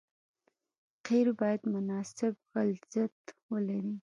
قیر باید مناسب غلظت ولري